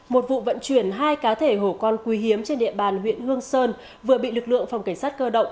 một vụ vận chuyển hai cá thể hổ con quý hiếm trên địa bàn huyện hương sơn vừa bị lực lượng phòng cảnh sát cơ động